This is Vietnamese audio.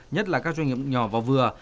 nhất là các doanh nghiệp nhỏ và vừa